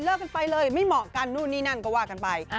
กันไปเลยไม่เหมาะกันนู่นนี่นั่นก็ว่ากันไป